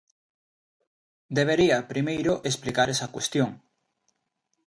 Debería, primeiro, explicar esa cuestión.